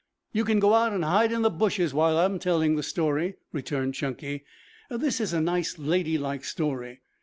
"You can go out and hide in the bushes while I'm telling the story," returned Chunky. "This is a nice ladylike story.